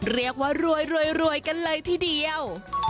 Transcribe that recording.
เรียกว่ารวยกันเลยทีเดียว